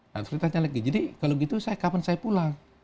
dan ceritanya lagi jadi kalau begitu kapan saya pulang